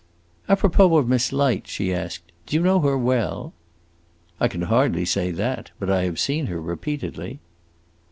"A propos of Miss Light," she asked, "do you know her well?" "I can hardly say that. But I have seen her repeatedly."